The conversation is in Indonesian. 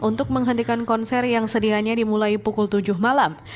untuk menghentikan konser yang sedianya dimulai pukul tujuh malam